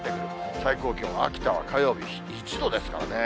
最高気温、秋田は火曜日１度ですからね。